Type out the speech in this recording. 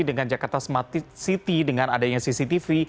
dengan jakarta smart city dengan adanya cctv